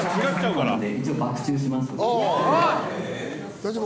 大丈夫？